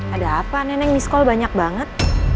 ada apa nenek miss call banyak banget